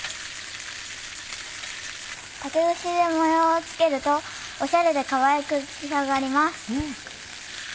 竹串で模様をつけるとオシャレでかわいく仕上がります。